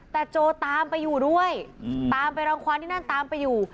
แต่โจตามไปอยู่ด้วยตามไปรังความที่นั่นตามไปอยู่